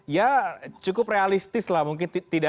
ya cukup realistis lah mungkin